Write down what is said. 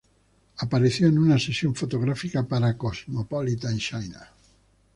Apareció en una sesión fotográfica para "Cosmopolitan China".